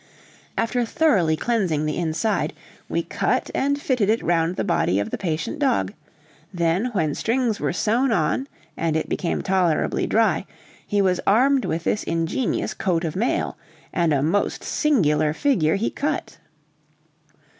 After thoroughly cleansing the inside, we cut and fitted it round the body of the patient dog; then when strings were sewn on and it became tolerably dry, he was armed with this ingenious coat of mail, and a most singular figure he cut!